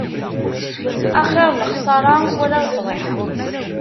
Axiṛ lexsaṛa, wala lefḍiḥa.